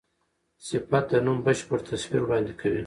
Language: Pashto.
صفت د نوم بشپړ تصویر وړاندي کوي.